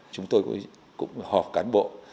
chúng tôi cũng họp cán bộ